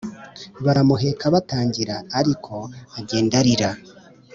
baramuheka batangira ariko agenda arira